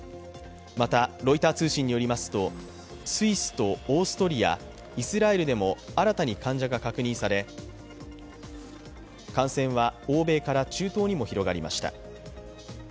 またロイター通信によりますと、スイスとオーストリア、イスラエルでも新たに患者が確認され感染は欧米から中東にも広がりました。